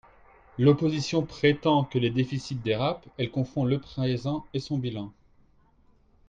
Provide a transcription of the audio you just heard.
L’opposition prétend que les déficits dérapent, elle confond le présent et son bilan.